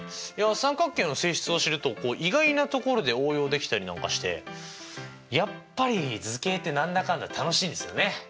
三角形の性質を知ると意外なところで応用できたりなんかしてやっぱり図形ってなんだかんだ楽しいですよね。